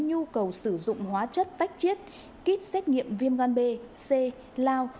nhu cầu sử dụng hóa chất tách chiết kit xét nghiệm viêm gan b c lao